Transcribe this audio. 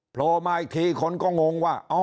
โผล่มาอีกทีคนก็งงว่า